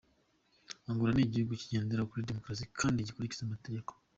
"Angola ni igihugu kigendera kuri demokarasi kandi gikurikiza amategeko.